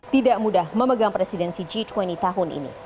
tidak mudah memegang presidensi g dua puluh tahun ini